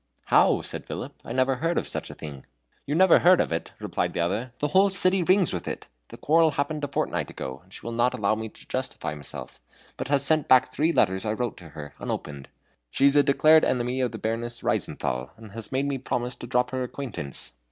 "How?" said Philip, "I never heard of such a thing." "You never heard of it?" repeated the other; "the whole city rings with it. The quarrel happened a fortnight ago, and she will not allow me to justify myself, but has sent back three letters I wrote to her, unopened. She is a declared enemy of the Baroness Reizenthal, and had made me promise to drop her acquaintance.